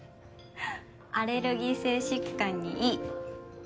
アレルギー性疾患にいい。